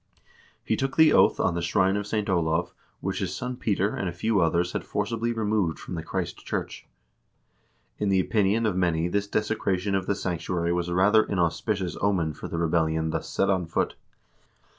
He took the oath on the shrine of St. Olav, which his son Peter and a few others had forcibly removed from the Christ church. In the opinion of many this desecration of the sanctuary was a rather inauspicious omen for the rebellion thus set on foot.